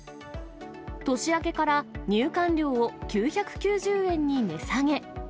年明けから入館料を９９０円に値下げ。